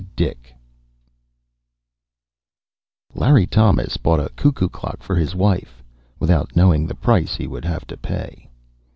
Dick_ Larry Thomas bought a cuckoo clock for his wife without knowing the price he would have to pay.